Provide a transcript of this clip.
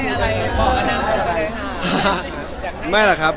ก็ตามนั้นเลยครับ